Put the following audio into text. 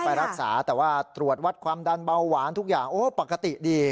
ไปรักษาแต่ว่าตรวจวัดความดันเบาหวานทุกอย่างโอ้ปกติดี